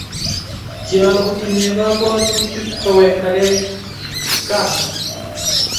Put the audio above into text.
kiakutinye kabwotutik ko wekta kei gaa